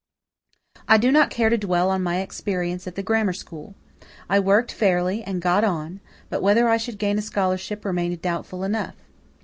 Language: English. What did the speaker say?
I do not care to dwell on my experience at the grammar school. I worked fairly, and got on; but whether I should gain a scholarship remained doubtful enough.